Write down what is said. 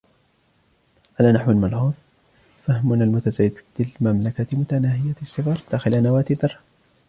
على نحو ملحوظ، فهمنا المتزايد للمملكة متناهية الصغر داخل نواة الذرة